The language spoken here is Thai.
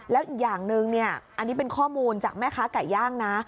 แล้วอย่างหนึ่งเนี่ยอันนี้เป็นข้อมูลจากแม่ค้าไก่ย่างนะ